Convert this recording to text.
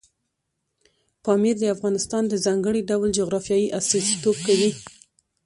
پامیر د افغانستان د ځانګړي ډول جغرافیې استازیتوب کوي.